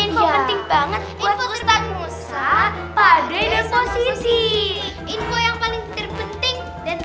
info penting banget buat ustadz musa pada inaposisi info yang paling terpenting dan